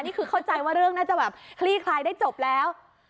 เข้าใจว่าเรื่องน่าจะแบบคลี่คลายได้จบแล้ว